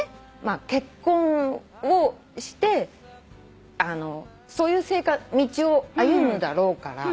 結婚をしてそういう道を歩むだろうから。